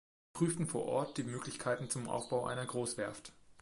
Sie prüften vor Ort die Möglichkeiten zum Aufbau einer Großwerft.